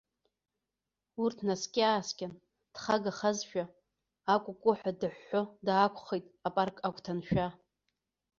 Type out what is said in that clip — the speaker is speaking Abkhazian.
Урҭ наскьа-ааскьан, дхагахазшәа, акәукәуаҳәа дыҳәҳәо даақәхеит апарк агәҭаншәа.